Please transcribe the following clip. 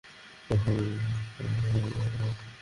ঠিক আছে, আসল কথায় আসুন।